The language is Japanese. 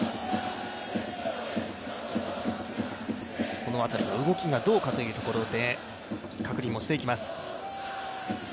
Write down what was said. この辺りの動きがどうかというところで確認をしていきます。